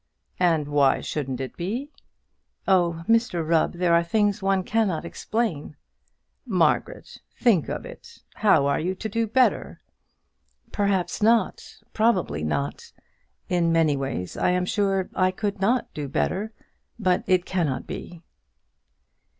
"And why shouldn't it be?" "Oh, Mr Rubb, there are things one cannot explain." "Margaret, think of it. How are you to do better?" "Perhaps not; probably not. In many ways I am sure I could not do better. But it cannot be."